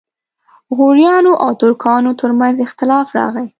غوریانو او ترکانو ترمنځ اختلاف راغی.